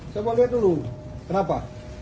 coba lihat dulu kenapa